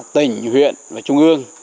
tỉnh huyện và trung ương